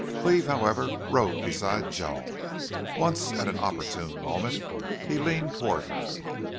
Cleve, however, rode beside Joan. Once, at an opportune moment, he leaned toward her.